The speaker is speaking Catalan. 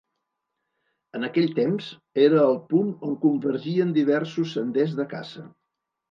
En aquell temps, era el punt on convergien diversos senders de caça.